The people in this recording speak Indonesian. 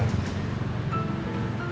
buat ketemu sama keisha tante